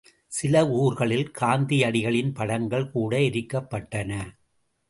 சில ஊர்களில் காந்தியடிகளின் படங்கள் கூட எரிக்கப்பட்டன.